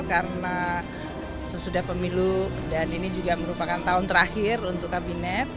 karena sesudah pemilu dan ini juga merupakan tahun terakhir untuk kabinet